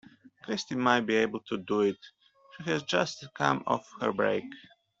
Kirsty might be able to do it; she has just come off her break.